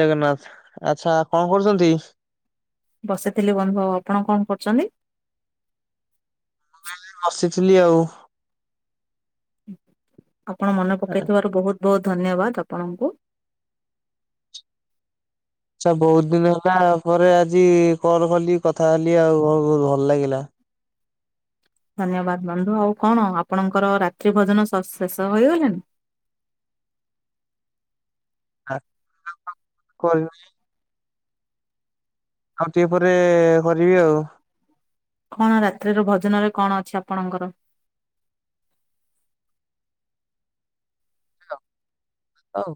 ଜଗନ୍ନାଥ ଆଚ୍ଛା ଆପଣ କଣ କରୁଛନ୍ତି? ବସିଥିଲି ବନ୍ଧୁ ଆଉ ଆପଣ କଣ କରୁଛନ୍ତି? [unintelligible] ବସିଥିଲି ଆଉ। ଆପଣ ମନେ ପକେଇଥିବାରୁ ବହୁତ ବହୁତ ଧନ୍ୟବାଦ ଆପଣଙ୍କୁ। [unintelligible] ବହୁତ ଦିନ ହେଲା ପରେ ଆଜି କଲ୍ କଲି କଥା ହେଲି ଆଉ ବହୁତ ଭଲ ଲାଗିଲା। ଧନ୍ୟବାଦ୍ ବନ୍ଧୁ ଆଉ କଣ ଆପଣଙ୍କର ରାତ୍ରି ଭୋଜନ ଶ ଶେଷ ହୋଇଗଲାଣି? [inaudible] [unintelligible] ଆଉ ଟିକେ ପରେ କରିବି ଆଉ। କଣ ରାତ୍ରିର ଭଜନରେ କଣ ଅଛି ଆପଣଙ୍କର? ହଉ।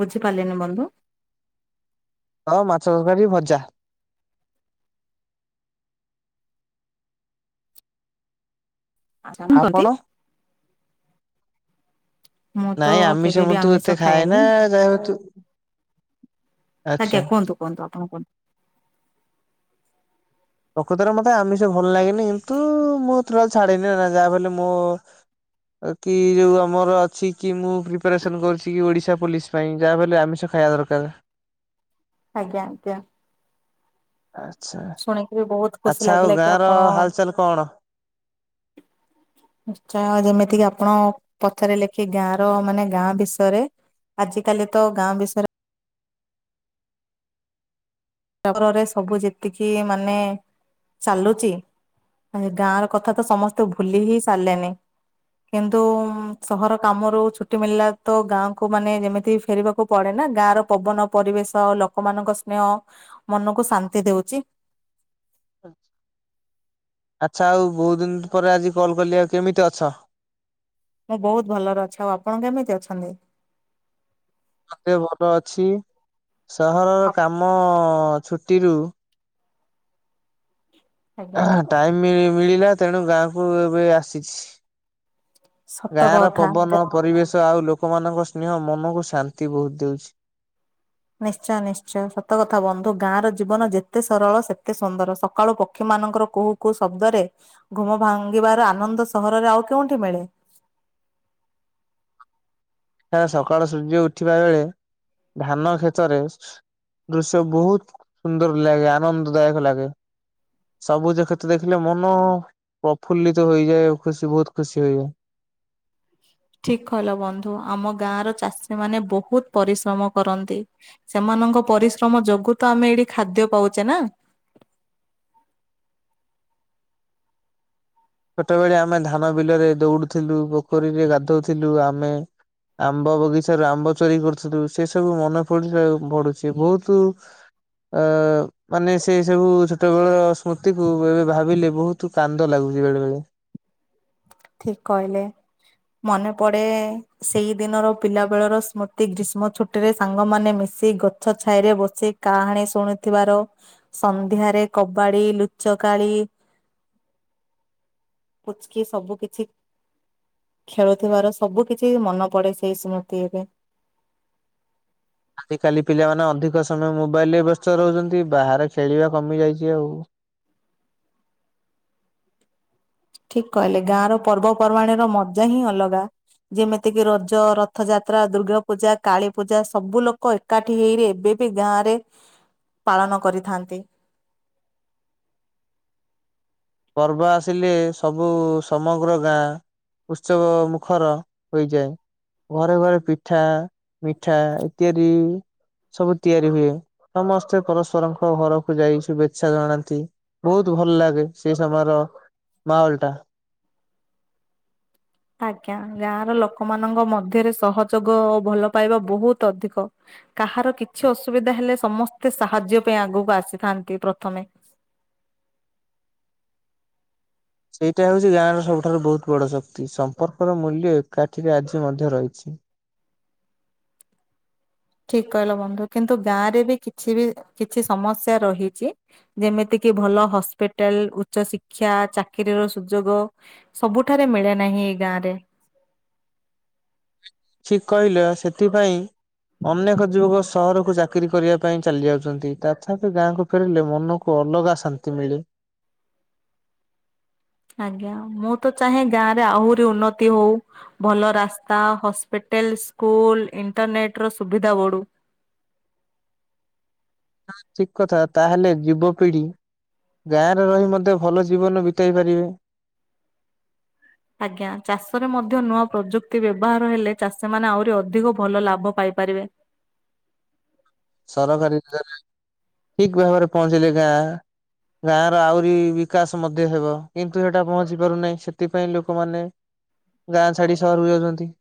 ବୁଝିପାରିଲିନି ବନ୍ଧୁ। ହଁ ମାଛ ତରକାରୀ, ଭଜା। ଆପଣ? [unintelligible] ମୁଁ ତ ନାଇଁ ଆମିଷ କେବେ ମୁଁ ବି ତୁ ଏତେ ଆମିଷ ଖାଏ ଖାଏନି। ନା ଯାହା ତୁ ଆଚ୍ଛା। ଆଜ୍ଞା କୁହନ୍ତୁ କୁହନ୍ତୁ ଆପଣ କୁହନ୍ତୁ। ପ୍ରକୃତରେ ମତେ ଆମିଷ ଭଲ ଲାଗନି କିନ୍ତୁ ମୁଁ [unintelligible] ଯାହା ବି ହେଲେ ମୋ କି ଯୋଉ ଆମର ଅଛି କି ମୁଁ ପ୍ରିପାରେସନ୍ କରୁଛି କି ଓଡ଼ିଶା ପୋଲିସ ପାଇଁ ଯାହାବି ହେଲେ ଆମିଷ ଖାଇବା ଦରକାର। ଆଜ୍ଞା ଆଜ୍ଞା। ଆଚ୍ଛା ଶୁଣିକି ବି ବହୁତ ଖୁସି ଆଚ୍ଛା ଆଉ ଲାଗିଲା ଗାଁ କି ର ଆପଣ ହାଲଚାଲ କଣ? ଆଚ୍ଛା ଯେମିତି କିି ଆ ଆପଣ ପଥରେ ଲେଖି ଗାଁ ର ମାନେ ଗାଁ ବିଷୟରେ ଆଜି କାଲି ତ ଗାଁ ବିଷରେ [unintelligible] ସବୁ ଯେତିକି ମାନେ ଚାଲୁଚି ଗାଁ ର କଥା ତ ସମସ୍ତେ ଭୁଲି ହି ସାରଲେନି କିନ୍ତୁ ସହର କାମରୁ ଛୁଟି ମିଳିଲା ତ ଗାଁ କୁ ମାନେ ଯେମିତି ଫେରିବାକୁ ପଡେ [unintelligible] ଗାଁର ପବନ ପରିବେଶ ଲୋକମାନଙ୍କ ସ୍ନେହ ମନକୁ ଶାନ୍ତି ଦେଉଚି। ଆଚ୍ଛା ଆଉ ବହୁତ ଦିନ ପରେ ଆଜି କଲ୍ କଲି ଆଉ କେମିତି ଅଛ? ମୁଁ ବହୁତ ଭଲରେ ଅଛି ଆଉ ଆପଣ କେମିତି ଅଛନ୍ତି? ମଧ୍ୟ ଭଲ ଅଛି ସହରର କାମ ଛୁଟିରୁ ଆଜ୍ଞା। ଟାଇମ ମିଳିଲା ତେଣୁ ଗାଁକୁ ଏବେ ଆସିଛି। ସତ ଗାଁ ର କଥା ପବନ ପରିବେଶ ଆଉ ଲୋକମାନଙ୍କ ସ୍ନେହ ମନକୁ ଶାନ୍ତି ବହୁତ ଦେଉଛି ନିଶ୍ଚୟ ନିଶ୍ଚୟ ସତ କଥା ବନ୍ଧୁ ଗାଁ ର ଜୀବନ ଯେତେ ସରଳ ସେତେ ସୁନ୍ଦର ସକାଳୁ ପକ୍ଷୀ ମାନଙ୍କର କହୁ କୁହୁ ଶବ୍ଦରେ ଘୁମ ଭାଙ୍ଗିବାର ଆନନ୍ଦ ସହରରେ ଆଉ କେଉଠି ମିଳେ? [inaudible] ହେ ସକାଳ ସୂର୍ଯ୍ୟ ଉଠିବା ବେଳେ ଧାନ କ୍ଷେତରେ ଦୃଶ୍ୟ ବହୁତ ସୁନ୍ଦର ଲାଗେ ଆନନ୍ଦଦାୟକ ଲାଗେ ସବୁଜ କ୍ଷେତ୍ର ଦେଖିଲେ ମନ ପ୍ରଫୁଲ୍ଲିତ ହୋଇଯାଏ ଖୁସି ବହୁତ ଖୁସି ହେଇଯାଏ। [inaudible] ଠିକ କହିଲ ବନ୍ଧୁ ଆମ ଗାଁ ର ଚାଷୀ ମାନେ ବହୁତ ପରିଶ୍ରମ କରନ୍ତି ସେମାନଙ୍କ ପରିଶ୍ରମ ଯୋଗୁ ତ ଆମେ ଏଇଠି ଖାଦ୍ୟ ପାଉଛେ ନା ଛୋଟବେଳେ ଆମେ ଧାନ ବିଲରେ ଦୌଡୁଥିଲୁ ପୋଖରୀରେ ଗାଧଉଥିଲୁ ଆମେ ଆମ୍ବ ବଗିଚାରୁ ଆମ୍ବ ଚୋରି କରୁଥିଲୁ ସେ ସବୁ ମନେ ଫ ପଡୁଛି ବହୁତ ଆ ମାନେ ସେ ସବୁ ଛୋଟ ବେଳ ସ୍ମୃତି କୁ ଏବେ ଭାବିଲେ ବହୁତ କାନ୍ଦ ଲାଗୁଛି ବେଳେ ବେଳେ ଠିକ କହିଲେ। ମନେ ପଡେ ସେଇ ଦିନର ପିଲା ବେଳର ସ୍ମୃତି ଗ୍ରୀଷ୍ମ ଛୁଟିରେ ସାଙ୍ଗମାନେ ମିଶି ସେ ଗଛ ଛାଇ ରେ ବସି କାହାଣୀ ଶୁଣୁଥିବାର ସନ୍ଧ୍ୟାରେ କବାଡି ଲୁଚ କାଳୀ ପୁଚକି ସବୁ କିଛି କିଛି ଖେଳୁଥିବାର ସବୁ କିଛି ମନେ ପଡେ ସେଇ ସ୍ମୃତି ଏବେ [inaudible] ଆଜିକାଲି ପିଲାମାନେ ଅଧିକ ସମୟ ମୋବାଇଲ ରେ ବ୍ୟସ୍ତ ରହୁଛନ୍ତି ବାହାରେ ଖେଳିବା କମି ଯାଇଛି ଆଉ। [inaudible] ଠିକ କହିଲେ ଗାଁ ର ପର୍ବପର୍ବାଣ ର ମଜା ହିଁ ଅଲଗା। ଯେମିତିକି ରଜ ରଥଯାତ୍ରା ଦୁର୍ଗାପୂଜା କାଳୀ ପୂଜା ସବୁ ଲୋକ ଏକାଠି ହେଇରେ ଏବେ ବି ଗାଁ ରେ ପାଳନ କରିଥାନ୍ତି। [inaudible] ପର୍ବ ଆସିଲେ ସବୁ ସମଗ୍ର ଗାଁ ଉତ୍ସବ ମୁଖର ହୋଇଯାଏ। ଘରେ ଘରେ ପିଠା ମିଠା ଇତ୍ୟାଦି ସବୁ ତିଆରି ହୁଏ ସମସ୍ତେ ପରସ୍ପରଙ୍କ ଘରକୁ ଯାଇ ଶୁଭେଚ୍ଛା ଜଣାନ୍ତି ବହୁତ ଭଲ ଲାଗେ ସେଇ ସମୟର ମାହୋଲ ଟା ଆଜ୍ଞା ଗାଁ ର ଲୋକମାନଙ୍କ ମଧ୍ୟରେ ସହଯୋଗ ଓ ଭଲ ପାଇବା ବହୁତ ଅଧିକ କାହାର କିଛି ଅସୁବିଧା ହେଲେ ସମସ୍ତେ ସାହାଯ୍ୟ ପାଇଁ ଆଗକୁ ଆସିଥାନ୍ତି ପ୍ରଥମେ [inaudible] ସେଇଟା ହଉଛି ଗାଁର ସବୁଠାରୁ ବହୁତ ବଡ ଶକ୍ତି ସମ୍ପର୍କର ମୂଲ୍ୟ ଏକାଠିରେ ଆଜି ମଧ୍ୟ ରହିଛି [inaudible] ଠିକ କହିଲ ବନ୍ଧୁ କିନ୍ତୁ ଗାଁ ରେ ବି କିଛି ବି କିଛି ସମସ୍ୟା ରହିଛି ଯେମିତି କି ଭଲ ହସ୍ପିଟାଲ ଉଚ୍ଚ ଶିକ୍ଷା ଚାକିରୀର ସୁଯୋଗ ସବୁଠାରେ ମିଳେ ନାହିଁ। ଏଇ ଗାଁ ରେ। ଠିକ କହିଲ ସେଥିପାଇଁ ଅନେକ ଯୁବକ ସହରକୁ ଚାକିରି କରିବା ପାଇଁ ଚାଲି ଯାଉଛନ୍ତି ତଥାପି ଗାଁକୁ ଫେରିଲେ ମନକୁ ଅଲଗା ଶାନ୍ତି ମିଳେ। [inaudible] ଆଜ୍ଞା ମୁଁ ତ ଚାହେଁ ଗାଁ ରେ ଆହୁରି ଉନ୍ନତି ହଉ ଭଲ ରାସ୍ତା, ହସ୍ପିଟାଲ ହୋଟେଲ ସ୍କୁଲ ଇଣ୍ଟରନେଟ ର ସୁବିଧା ବଢ଼ୁ। ହଁ ଠିକ କଥା ତାହେଲେ ଯୁବପିଢି। ଗାଁରେ ରହି ମଧ୍ୟ ଭଲ ଜୀବନ ବିତାଇ ପାରିବେ। [inaudible] ଆଜ୍ଞା ଚାଷରେ ମଧ୍ୟ ନୂଆ ପ୍ରଯୁକ୍ତି ବ୍ୟବହାର ହେଲେ ଚାଷୀ ମାନେ ଆହୁରି ଅଧିକ ଭଲ ଲାଭ ପାଇ ପାରିବେ। ସରକାରୀ ଥିଲା ଯେ ଠିକ୍ ଭାବରେ ପହଞ୍ଚିଲି ଗାଁ ଗାଁର ଆହୁରି ବିକାଶ ମଧ୍ୟ ହେବ କିନ୍ତୁ, ସେଟା ପହଞ୍ଚି ପାରୁନାହିଁ ସେଥିପାଇଁ ଲୋକମାନେ ଗାଁ ଛାଡ଼ି ସହରକୁ ଯାଉଚନ୍ତି।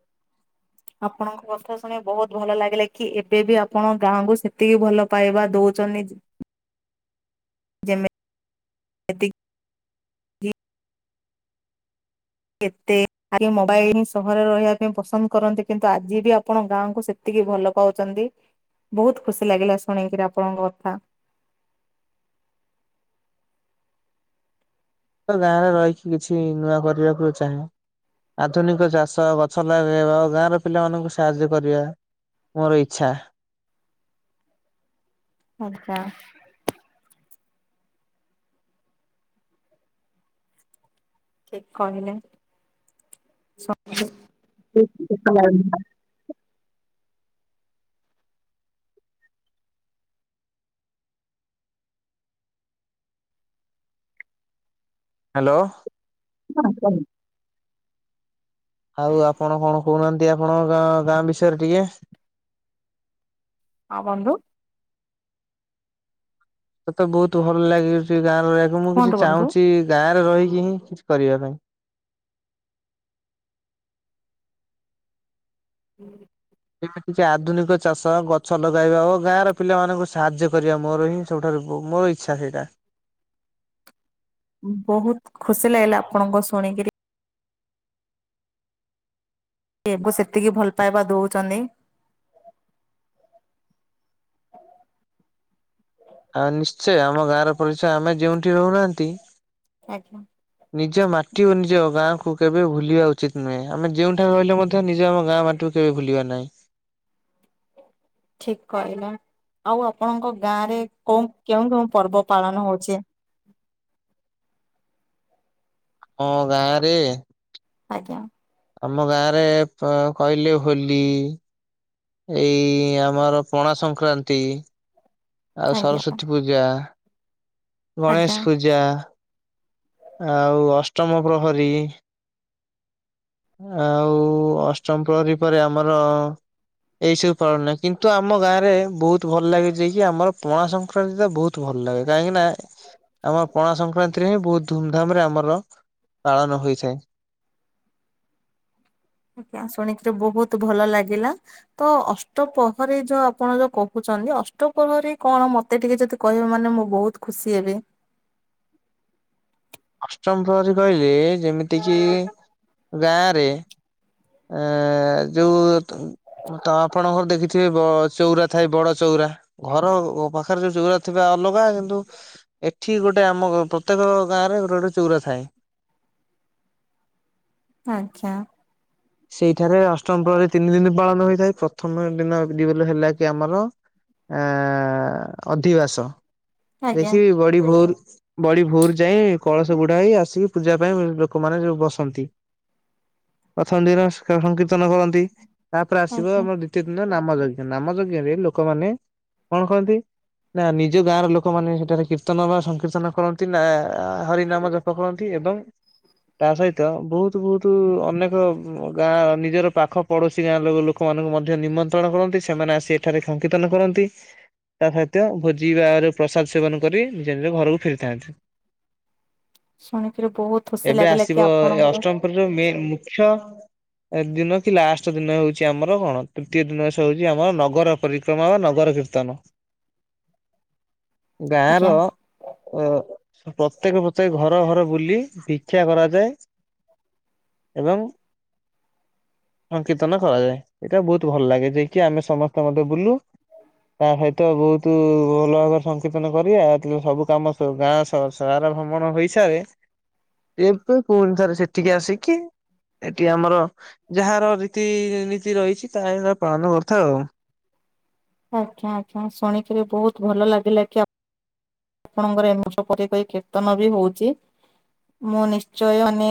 [inaudible] ଆପଣଙ୍କ କଥା ଶୁଣି ବହୁତ ଭଲ ଲାଗିଲା କି ଏବେ ବି ଆପଣ ଗାଁକୁ ସେତିକି ଭଲ ପାଇବା ଦଉ [unintelligible] [unintelligible] କେତେ ଆମେ ମୋବାଇଲ ସହରରେ ରହିବା ପାଇଁ ପସନ୍ଦ କରନ୍ତି କିନ୍ତୁ ଆଜି ବି ଆପଣ ଗାଁକୁ ସେତିକି ଭଲ ପାଉଛନ୍ତି ।ବହୁତ ଖୁସି ଲାଗିଲା ଶୁଣିକିରି ଆପଣଙ୍କ କଥା। [inaudible] ତ ଗାଁରେ ରହିକି କିଛି ନୂଆ କରିବାକୁ ଚାହେଁ। ଆଧୁନିକ ଚାଷ ଗଛ ଲଗେଇବା ଗାଁର ପିଲାମାନଙ୍କୁ ସାହାଯ୍ୟ କରିବା। ମୋର ଇଚ୍ଛା। ଆଚ୍ଛା। ଠିକ୍ କହିଲେ। [unintelligible] ହାଲୋ। ହଁ। ଆଉ ଆପଣ କଣ କହୁନାହାନ୍ତି ଆପଣଙ୍କ ଗାଁ ବିଷୟରେ ଟିକେ? ହଁ ବନ୍ଧୁ। ମତେ ବହୁତ ଭଲ ଲାଗୁଚି ଗାଁ ରହିଆକୁ ମୁଁ କିଛି କୁହନ୍ତୁ ବନ୍ଧୁ। ଚାହୁଁଛି ଗାଁରେ ରହିକି ହିଁ କିଛି କରିବା ପାଇଁ। [inaudible] ଯେମିତିକି ଆଧୁନିକ ଚାଷ ଗଛ ଲଗାଇବା ଓ ଗାଁ ର ପିଲାମାନଙ୍କୁ ସାହାଯ୍ୟ କରିବା ମୋର ହିଁ ସବୁଠାରୁ ହଉ ମୋର ଇଚ୍ଛା ସେଇଟା। ବହୁତ୍ ଖୁସି ଲାଗିଲା ଆପଣଙ୍କ ଶୁଣିକିରି। କି ସେତିକି ଭଲ ପାଇବା ଦଉଛନ୍ତି। ଆଉ ନିଶ୍ଚୟ ଆମ ଗାଁର ପରିଚୟ ଆମେ ଯେଉଁଠି ରହୁନାହାନ୍ତି। ଆଜ୍ଞା ନିଜ ମାଟି ଓ ନିଜ ଗାଁକୁ କେବେ ଭୁଲିବା ଉଚିତ୍ ନୁହେଁ, ଆମେ ଯଉଠା ରହିଲେ ମଧ୍ୟ ନିଜ ଆମ ଗାଁ ମାଟିକୁୁ କେବେ ଭୁଲିବା ନାହିଁ। ଠିକ୍ କହିଲ। ଆଉ ଆପଣଙ୍କ ଗାଁ ରେ କଉ କେଉଁ କେଉଁ ପର୍ବ ପାଳନ ହଉଛି? [inaudible] ଆମ ଗାଁରେ ଆଜ୍ଞା। ଆମ ଗାଁ ରେ କହିଲେ ହୋଲି, ଏଇ ଆମର ପଣା ସଂକ୍ରାନ୍ତି, ଆଉ ଆଜ୍ଞା ସରସ୍ଵତୀ ପୂଜା, ଆଜ୍ଞା। ଗଣେଶ ପୂଜା, ଆଉ ଅଷ୍ଟମ ପ୍ରହରୀ, ଆଉ ଅଷ୍ଟମ ପ୍ରହରୀ ପରେ ଆମର ଏଇ ସବୁ ପାଳନା କିନ୍ତୁ, ଆମ ଗାଁ ରେ ବହୁତ ଭଲ ଲାଗେ ଯୋଇ କିି ଆମର ପଣା ସଂକ୍ରାନ୍ତି ତ ବହୁତ ଭଲ ଭଲ ଲାଗେ କାହିଁକି ନା ଆମ ପଣା ସଂକ୍ରାନ୍ତିରେ ହିଁ ବହୁତ ଧୁମ୍ ଧାମ୍ ରେ ଆମର ପାଳନ ହୋଇଥାଏ। ଆଜ୍ଞା ଶୁଣିକିରି ବହୁତ ଭଲ ଲାଗିଲା ତ ଅଷ୍ଟପହରୀ ଯୋଉ ଆପଣ ଯୋଉ କହୁଛନ୍ତି। ଅଷ୍ଟ ପହରୀ କଣ ମତେ ଟିକେ ଯଦି କହିବେ ମାନେ ମୁଁ ବହୁତ ଖୁସି ହେବି। [inaudible] ଅଷ୍ଟମ ପ୍ରହରୀ କହିଲେ ଯେମିତି କିି ଗାଁରେ ଆଁ ଯୋଉ ତ ତ ଆପଣଙ୍କର ଦେଖିଥିବେ ଚଉରା ଥାଏ ବଡ ଚଉରା ଘର ପାଖରେ ଯୋଉ ଚଉରା ଥିବା ଅଲ ଲଗା କିନ୍ତୁ ଏଠି ଗୋଟେ ଆମ ପ୍ରତ୍ୟେକ ଗାଁରେ ଗୋଟେ ଗୋଟେ ଚଉରା ଥାଏ। ଆଚ୍ଛା। ସେଇଠାରେ ଅଷ୍ଟମ ପ୍ରହରି ତିନି ଦିନ ପାଳନ ହୋଇଥାଏ ପ୍ରଥମ ଦିନ ହେଲା କି ଆମର ଆ ଅଧିବାସ। ଆଜ୍ଞା। ଦେଖି ବଡି ଭୋର୍ ବଡି ଭୋରୁ ଯାଇଏ କଳସ ବୁଢା ହେଇ ଆସିକି ପୂଜା ପାଇଁ ଲୋକମାନେ ଯୋଉ ବସନ୍ତି। ପ୍ରଥମ ଦିନ ସଂକୀର୍ତ୍ତନ କରନ୍ତି ତାପରେ ଆସିବ ଆଜ୍ଞା ଆମର ଦ୍ୱିତୀୟ ଦିନ ନାମ ଯଜ୍ଞ ନାମ ଯଜ୍ଞ ରେ ଲୋକମାନେ କଣ କହନ୍ତି ନା ନିଜ ଗାଁ ର ଲୋକମାନେ ସେଠାରେ କୀର୍ତ୍ତନ ବା ସଂକୀର୍ତ୍ତନ କରନ୍ତି ନା ହରିନାମ ଜପ କରନ୍ତି ଏବଂ ତା ସହିତ ବହୁତ ବହୁତ ଅନେକ ପା ଗାଁ ନିଜର ପାଖ ପଡୋଶୀ ଗାଁ ଲୋକ ଲୋକମାନଙ୍କୁ ମଧ୍ୟ ନିମନ୍ତ୍ରଣ କରନ୍ତି ସେମାନେ ଆସି ଏଠାରେ ଖା ସଂକୀର୍ତନ କରନ୍ତି। ତା ସହିତ ଭୋଜି ବା ପ୍ରସାଦ ସେବନ କରି ନିଜ ନିଜ ଘରକୁ ଫେରିଥାନ୍ତି। ଶୁଣିକିରି ବହୁତ ଖୁସି ଏବେ ଲାଗିଲା କି ଆସିବ ଏ ଆପଣଙ୍କର ଅଷ୍ଟମ ପର ଠୁ ମେ ମୁଖ୍ୟ ଏ ଦିନ କି ଲାଷ୍ଟ ଦିନ ହଉଛି ଆମର କଣ ତୃତୀୟ ଦିନ ହଉଛି ଆମର ନଗର ପରିକ୍ରମା ବା ନଗର କିତ୍ତନ। ଗାଁଆ ର ଆଜ୍ଞା ପ୍ରତ୍ୟେକ ପ୍ରତ୍ୟେକ ଘର ଘର ବୁଲି ଭିକ୍ଷା କରାଯାଏ। ଏବଂ ସଂକୀର୍ତନ କରାଯାଏ ଏଇଟା ବହୁତ ଭଲ ଲାଗେ ଯାଇକି ଆମେ ସମସ୍ତେ ମତେ ବୁଲୁ ତା ସହିତ ବହୁତ ଭଲ ଭାବରେ ସଂକୀର୍ତନ କରି ଆଉ ସବୁ କାମ ସୁ ଗାଁ ସାରା ଭ୍ରମଣ ହେଇସାରେ ଏବେ ପୁଣି ଥରେ ସେଠିକି ଆସିକି ଏଠି ଆମର ଯାହାର ରୀତି ନି ତି ରହିଛି ତା ପାଳନ କରିଥାଉ ଆଉ। ଆଜ୍ଞା ଆଜ୍ଞା ଶୁଣିକିରି ବହୁତ ଭଲ ଲାଗିଲା କି ଆ ଆପଣଙ୍କର ଏମଷ ପିକରି କୀର୍ତ୍ତନ ବି ହଉଛି। ମୁଁ ନିଶ୍ଚୟ ମାନେ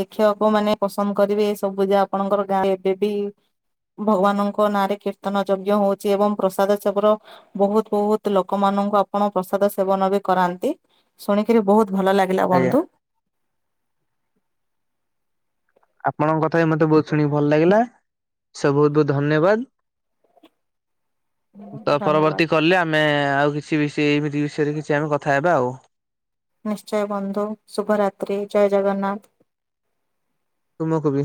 ଦେଖିବାକୁ ମାନେ ପସନ୍ଦ କରିବି ଏ ସବୁ ଯା ଆପଣଙ୍କର ଗାଁ ଏବେବି ଭଗବାନଙ୍କ ନାଁରେ କୀର୍ତ୍ତନ ଯଜ୍ଞ ହଉଛି ଏବଂ ପ୍ରସାଦ ଚବର ବହୁତ ବହୁତ ଲୋକ ମା ନଙ୍କୁ ଆପଣ ପ୍ରସାଦ ସେବନ ବି କରାନ୍ତି ଶୁଣିକରି ବହୁତ ଭଲ ଲାଗିଲା ଆଜ୍ଞା ବନ୍ଧୁ। ଆପଣଙ୍କ କଥା ବି ମତେ ବହୁତ ଶୁଣିକି ଭଲ ଲାଗିଲା ସେ ବହୁତ ବହୁତ ଧନ୍ୟବାଦ। [inaudible] ତ ଧନ୍ୟବାଦ। ପରବର୍ତ୍ତୀ କଲେ ଆମେ ଆଉ କିଛି କିଛି ବିଷୟ ଏମିତି ବିଷୟରେ କିଛି ଆମେ କଥା ହେବା ଆଉ। ନିଶ୍ଚୟ ବନ୍ଧୁ ଶୁଭ ରାତ୍ରି ଜୟ ଜଗନ୍ନାଥ। ତୁମକୁ ବି।